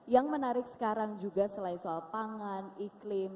yang menarik sekarang juga selain soal pangan iklim